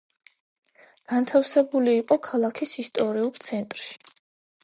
განთავსებული იყო ქალაქის ისტორიულ ცენტრში.